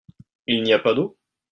Il n’y a pas d’eau ?